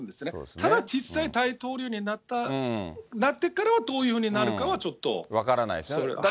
ただ実際大統領になってからはどういうふうになるかはちょっと。分からないですよね。